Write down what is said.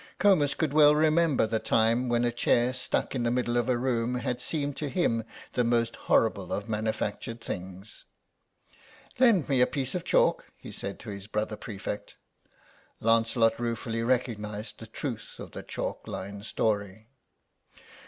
Comus could well remember the time when a chair stuck in the middle of a room had seemed to him the most horrible of manufactured things. "Lend me a piece of chalk," he said to his brother prefect. Lancelot ruefully recognised the truth of the chalk line story.